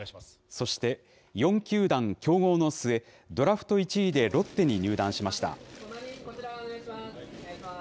そして４球団競合の末、ドラフト１位でロッテに入団しました。